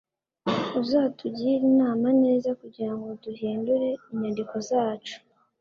Uzatugire inama neza kugirango duhindure inyandiko zacu